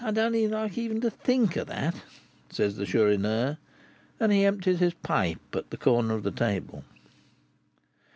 I don't like even to think of that," said the Chourineur, and he emptied his pipe at the corner of the table.